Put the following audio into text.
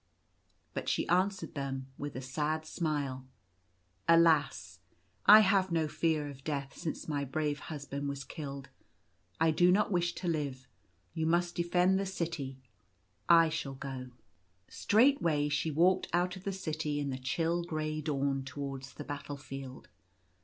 But she answered them with a sad smile —" Alas ! I have no fear of death since my brave husband was killed. I do not wish to live. You must defend * the city, I shall go." Straightway she walked out of the city in the chill grey dawn towards the battle field.